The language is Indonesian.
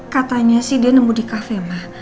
katanya sih dia nemu di kafe ma